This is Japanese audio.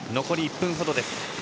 残り１分ほどです。